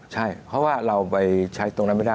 ใช่เพราะว่าเราไปใช้ตรงนั้นไม่ได้